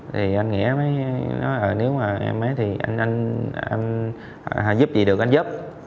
thì anh nghĩa mới nói là nếu mà em mới thì anh giúp gì được anh giúp